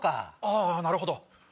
あなるほど。